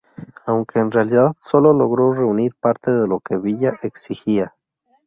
Aunque en realidad, sólo logró reunir parte de lo que Villa exigía.